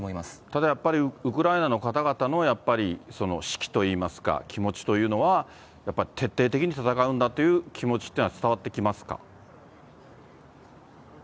ただやっぱり、ウクライナの方々のやっぱり士気といいますか、気持ちというのは、やっぱり徹底的に戦うんだという気持ちってのは伝わってきますか。